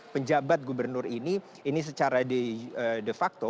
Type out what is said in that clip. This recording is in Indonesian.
penjabat gubernur ini ini secara de facto